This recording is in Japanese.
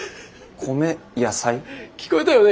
聞こえたよね？